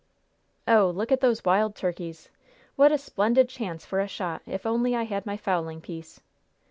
"Oh! look at those wild turkeys! What a splendid chance for a shot, if I only had my fowling piece.